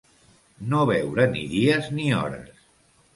No veure ni dies ni hores.